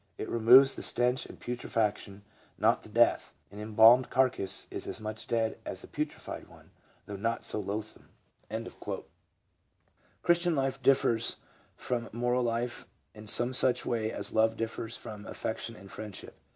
It removes the stench and putre faction, not the death; an embalmed carcass is as much dead as a putrefied one, though not so loathsome. ..." 1 Christian life differs from moral life in some such way as love differs from affection and friendship.